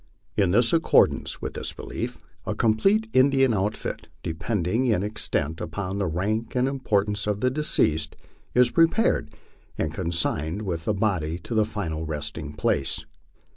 In accordance with this belief a complete Indian outfit, depending in extent upon the rank and importance of the deceased, is prepared, and consigned with the body to the final resting place.